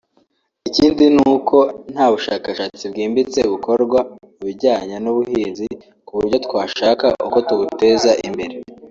ikindi ni uko nta bushashakatsi bwimbiste bukorwa mu bijyanye n’ubuhinzi ku buryo twashaka uko tubuteza imbere